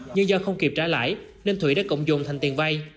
nhưng do không kịp trả lãi nên thụy đã cộng dụng thành tiền vay